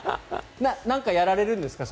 なんかやられるんですか？